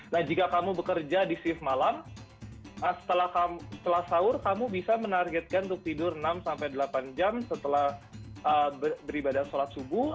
nah jika kamu bekerja di shift malam setelah sahur kamu bisa menargetkan untuk tidur enam sampai delapan jam setelah beribadah sholat subuh